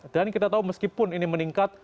dan kita tahu meskipun ini meningkat